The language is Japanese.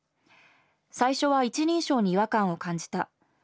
最初は一人称に違和感を感じた。